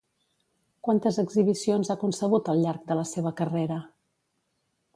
Quantes exhibicions ha concebut al llarg de la seva carrera?